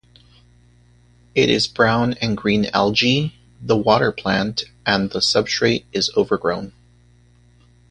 It is brown and green algae, the water plant and the substrate is overgrown.